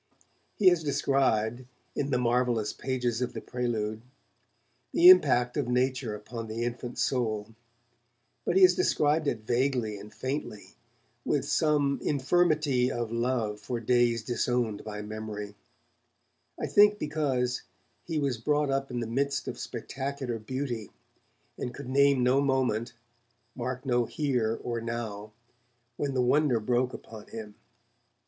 He has described, in the marvellous pages of the 'Prelude', the impact of nature upon the infant soul, but he has described it vaguely and faintly, with some 'infirmity of love for days disowned by memory', I think because he was brought up in the midst of spectacular beauty, and could name no moment, mark no 'here' or 'now', when the wonder broke upon him.